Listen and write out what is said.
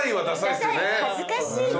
恥ずかしいな。